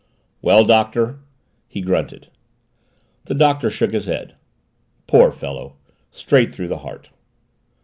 "Well, Doctor?" he grunted. The Doctor shook his head "Poor fellow straight through the heart."